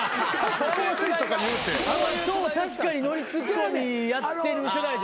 確かにノリツッコミやってる世代じゃないですね。